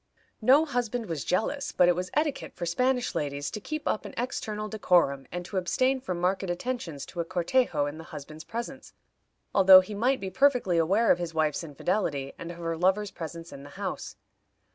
No husband was jealous, but it was etiquette for Spanish ladies to keep up an external decorum, and to abstain from marked attentions to a cortejo in the husband's presence, although he might be perfectly aware of his wife's infidelity, and of her lover's presence in the house.